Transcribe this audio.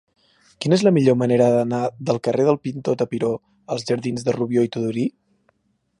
Quina és la millor manera d'anar del carrer del Pintor Tapiró als jardins de Rubió i Tudurí?